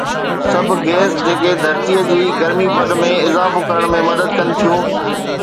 سڀ گيس جيڪي ڌرتيء جي گرمي پد ۾ اضافو ڪرڻ ۾ مدد ڪن ٿيون